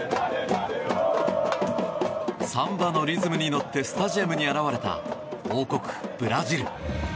サンバのリズムに乗ってスタジアムに現れた王国、ブラジル。